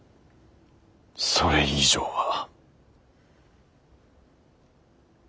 それ以上は。